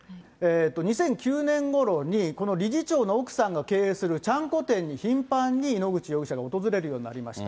２００９年ごろにこの理事長の奥さんが経営するちゃんこ店に頻繁に井ノ口容疑者が訪れるようになりました。